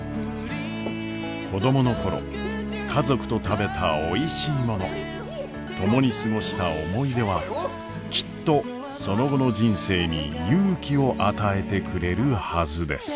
子供の頃家族と食べたおいしいもの共に過ごした思い出はきっとその後の人生に勇気を与えてくれるはずです。